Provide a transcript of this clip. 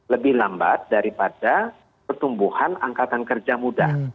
lebih lambat daripada pertumbuhan angkatan kerja muda